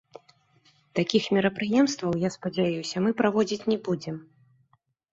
Такіх мерапрыемстваў, я спадзяюся, мы праводзіць не будзем.